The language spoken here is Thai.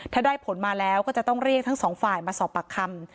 ถ้าได้ผลมาแล้วก็จะต้องเรียกทั้งสองฝ่ายมาสอบปากคำ